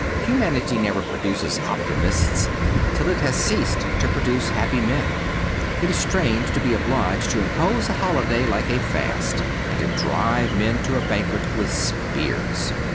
Humanity never produces optimists till it has ceased to produce happy men. It is strange to be obliged to impose a holiday like a fast, and to drive men to a banquet with spears.